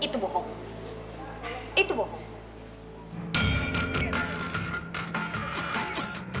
dia hormatgold yang sehat